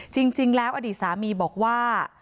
จริงแล้วอดีตสามีบอกว่า